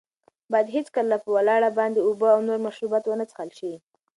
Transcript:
باید هېڅکله په ولاړه باندې اوبه او نور مشروبات ونه څښل شي.